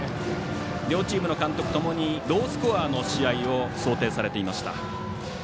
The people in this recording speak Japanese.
両チームの監督ともにロースコアの試合を想定されていました。